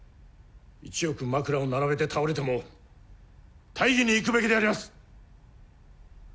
１億枕を並べて倒れても大義に生くべきであります！